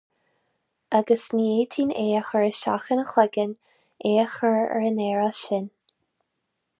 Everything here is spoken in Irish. Agus ní fhéadfainn é a chur isteach ina chloigeann é a chur ar an aer as sin.